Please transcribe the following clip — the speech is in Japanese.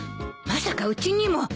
まさかうちにも。